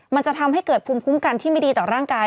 มันจะทำให้เกิดภูมิคุ้มกันที่ไม่ดีต่อร่างกาย